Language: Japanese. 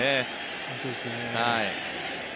本当ですね。